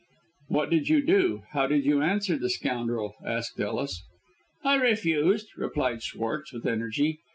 "What did you do? How did you answer the scoundrel?" asked Ellis. "I refused," replied Schwartz, with energy.